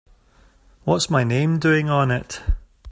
What's my name doing on it?